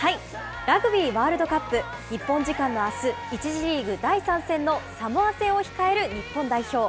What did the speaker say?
ラグビーワールドカップ。日本時間のあす、１次リーグ第３戦のサモア戦を控える日本代表。